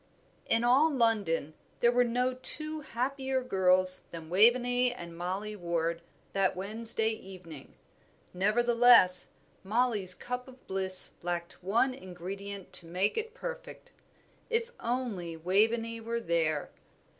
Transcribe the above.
_ In all London there were no two happier girls than Waveney and Mollie Ward that Wednesday evening; nevertheless, Mollie's cup of bliss lacked one ingredient to make it perfect. If only Waveney were there!